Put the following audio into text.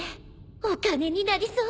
お金になりそう。